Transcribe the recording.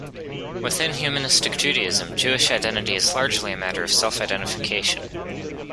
Within Humanistic Judaism, Jewish identity is largely a matter of self-identification.